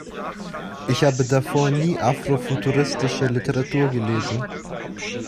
Ich habe davor nie afrofuturistische Literatur gelesen.